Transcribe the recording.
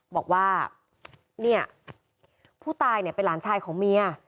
บอกว่าเนี่ยผู้ตายเนี่ยเป็นหลานชายของเมีย